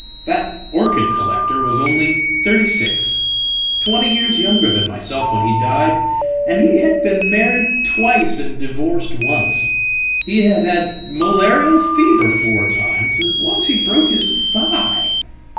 "That orchid collector was only thirty six twenty years younger thanmyself when he died. And he had been married twice and divorced once; hehad had malarial fever four times, and once he broke his thigh.